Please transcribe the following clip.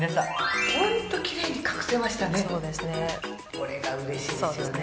これがうれしいですよね。